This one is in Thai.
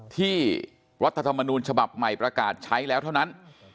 รัฐธรรมนูญฉบับใหม่ประกาศใช้แล้วเท่านั้น